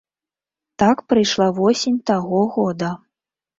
Так прайшла восень таго года.